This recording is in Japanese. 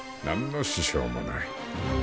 何の支障もない。